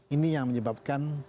ini yang menyebabkan